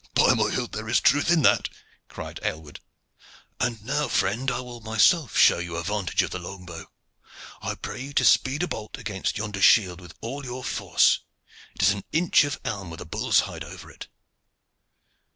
"By my hilt! there is truth in that," cried Aylward. "And now, friend, I will myself show you a vantage of the long bow. I pray you to speed a bolt against yonder shield with all your force. It is an inch of elm with bull's hide over it."